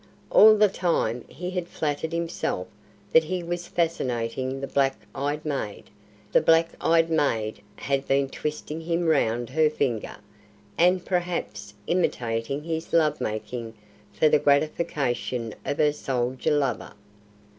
All the time he had flattered himself that he was fascinating the black eyed maid, the black eyed maid had been twisting him round her finger, and perhaps imitating his love making for the gratification of her soldier lover.